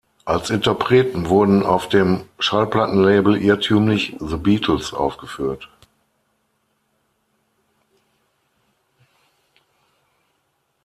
Als Interpreten wurden auf dem Schallplattenlabel irrtümlich ‚The Beatles‘ aufgeführt.